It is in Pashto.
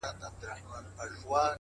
خپل ظرفیت تر شک مه قربانوئ؛